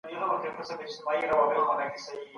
ټولنه بايد منظمه وي.